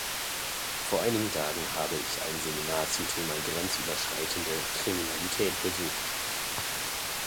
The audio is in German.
Vor einigen Tagen habe ich ein Seminar zum Thema grenzüberschreitende Kriminalität besucht.